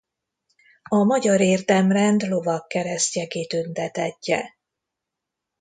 A Magyar Érdemrend lovagkeresztje kitüntetettje.